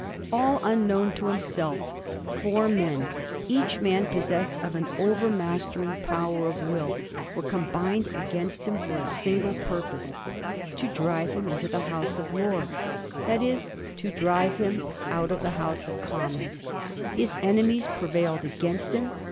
All unknown to himself, four men, each man possessed of an overmastering power of will, were com bined against him for a single purpose — to drive him into the House of Lords — that is, to drive him out of the VOL. II. — 9 194 ^ HISTORT OF THE FOUR 6E0R0ES. ch.zzxiu. House of Commons. His enemies prevailed against him.